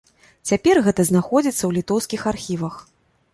Цяпер гэта знаходзіцца ў літоўскіх архівах.